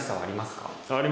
あります。